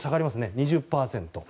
２０％。